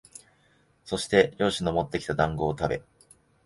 そして猟師のもってきた団子をたべ、